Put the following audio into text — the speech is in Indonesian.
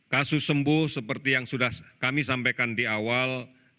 kasus sembuh seperti yang sudah kami sampaikan di awal